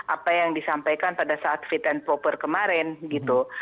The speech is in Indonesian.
apa yang disampaikan pada saat fit and proper kemarin gitu